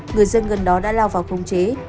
người dân gần đó đã lao vào thông chế